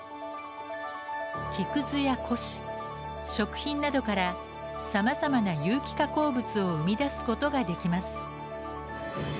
木くずや古紙食品などからさまざまな有機加工物を生み出すことができます。